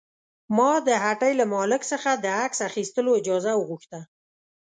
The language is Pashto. ما د هټۍ له مالک څخه د عکس اخیستلو اجازه وغوښته.